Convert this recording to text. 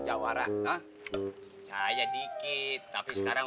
jawara nah saya dikit tapi sekarang